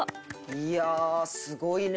いやあすごいね！